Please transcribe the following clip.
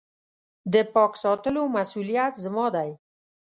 د پاک ساتلو مسولیت زما دی .